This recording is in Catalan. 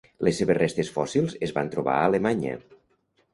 Les seves restes fòssils es van trobar a Alemanya.